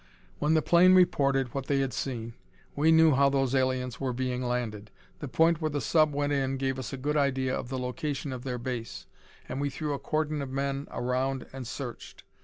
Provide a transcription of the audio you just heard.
"When the plane reported what they had seen, we knew how those aliens were being landed. The point where the sub went in gave us a good idea of the location of their base and we threw a cordon of men around and searched.